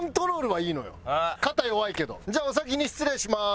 じゃあお先に失礼します。